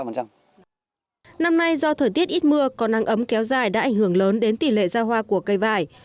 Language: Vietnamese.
năm nay do thời tiết ít mưa còn nắng ấm kéo dài đã ảnh hưởng lớn đến tỷ lệ ra hoa của cây vải